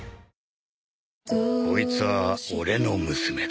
こいつは俺の娘だ。